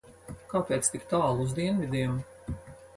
Kāpēc tik tālu uz dienvidiem?